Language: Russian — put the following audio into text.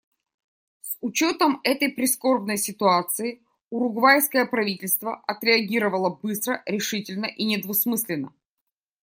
С учетом этой прискорбной ситуации, уругвайское правительство отреагировало быстро, решительно и недвусмысленно.